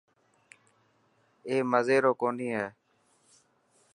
اي مزي رو ڪوني هي.